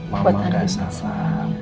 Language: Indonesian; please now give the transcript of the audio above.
mama gak salah